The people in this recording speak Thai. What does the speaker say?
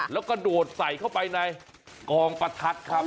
แล้วก็โดดใส่เข้าไปในกองประทัดครับ